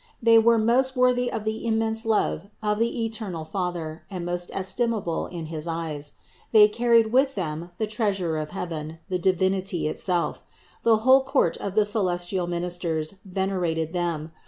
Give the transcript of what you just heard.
They were most worthy of the immense love of the eternal Father and most estimable in his eyes. They carried with them the Treasure of heaven, the Deity itself. The whole court of the celestial ministers ven erated them.